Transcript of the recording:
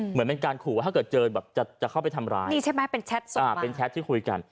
เหมือนเป็นการห่วงว่าจะจะเข้าไปทำร้ายคุยกัน